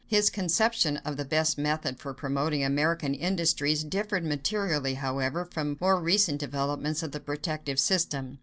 His conception of the best method for promoting American industries differed materially, however, from more recent developments of the protective system.